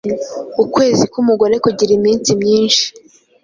Ukwezi k’umugore kugira iminsi myinshi